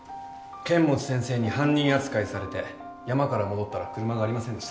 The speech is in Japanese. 剣持先生に犯人扱いされて山から戻ったら車がありませんでした。